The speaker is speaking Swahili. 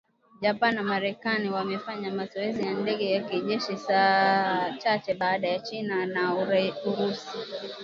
Japan na Marekani wamefanya mazoezi ya ndege za kijeshi saa chache baada ya China na Urusi